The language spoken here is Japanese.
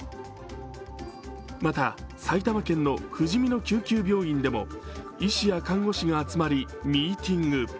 また、埼玉県のふじみの救急病院でも、医師や看護師が集まりミーティング。